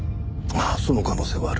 ああその可能性はある。